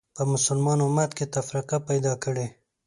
په مسلمان امت کې تفرقه پیدا کړې